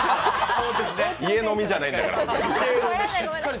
家飲みじゃないんだから。